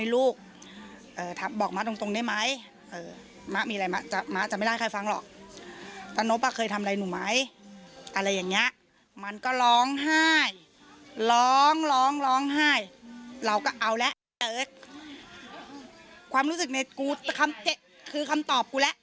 ร้องร้องร้องไห้เราก็เอาแล้วความรู้สึกในกูคือคำตอบกูแล้ว